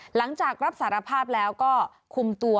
หลังจากรับสารภาพแล้วก็คุมตัว